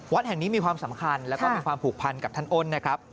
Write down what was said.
วัดแห่งนี้มีความสำคัญแล้วก็มีความผูกพันกับท่านอ้นนะครับ